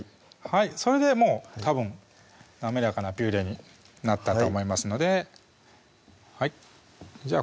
それでもうたぶん滑らかなピューレになったと思いますのでじゃあ